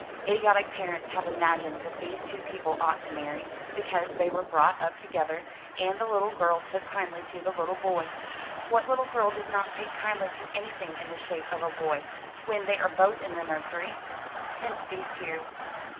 "Idiotic parents have imagined that these two people ought to marry, because they were brought up together, and the little girl took kindly to the little boy. What little girl does not take kindly to anything in the shape of a boy, when they are both in the nursery? Hence these tears."